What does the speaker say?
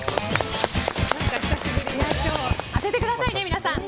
今日は当ててくださいね、皆さん。